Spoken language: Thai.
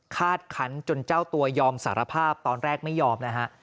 คาดคันจนเจ้าตัวยอมสารภาพตอนแรกไม่ยอมนะฮะ